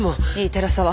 寺沢。